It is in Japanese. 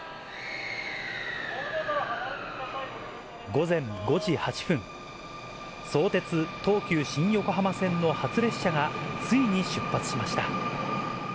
午前５時８分、相鉄・東急新横浜線の初列車がついに出発しました。